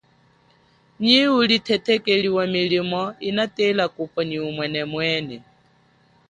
Nyi uli thethekeli wa milimo, inatela kupwa nyi umwene mwene.